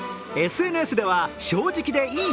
ＳＮＳでは、正直でいい！